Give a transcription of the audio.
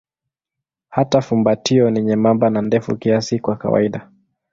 Hata fumbatio ni nyembamba na ndefu kiasi kwa kawaida.